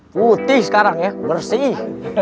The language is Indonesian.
putih sekarang ya bersih